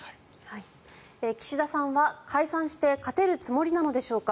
岸田さんは解散して勝てるつもりなのでしょうか？